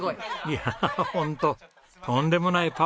いやあホントとんでもないパワーです！